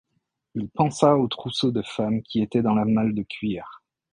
Il pensa au trousseau de femme qui était dans la malle de cuir.